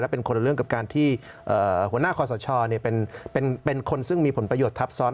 เป็นคนละเรื่องกับการที่หัวหน้าคอสชเป็นคนซึ่งมีผลประโยชน์ทับซ้อน